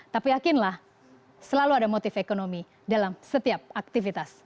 tapi yakinlah selalu ada motif ekonomi dalam setiap aktivitas